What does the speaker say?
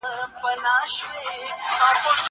دا فکر له هغه مهم دی!